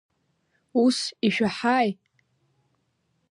Ус ишәаҳаи?